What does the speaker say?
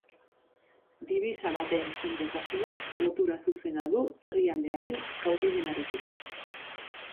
Dibisa baten sendotasunak lotura zuzena du herrialdearen kaudimenarekin.